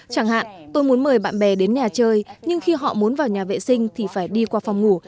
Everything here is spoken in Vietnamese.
chẳng hạn tôi muốn mời bạn bè đến nhà chơi nhưng khi họ muốn vào nhà vệ sinh thì phải đi qua phòng ngủ